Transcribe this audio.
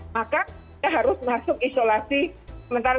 maka dia harus masuk isolasi sementara